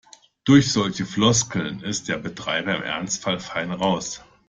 Durch solche Floskeln ist der Betreiber im Ernstfall fein raus.